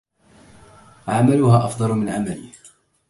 عملها أفضل من عملي.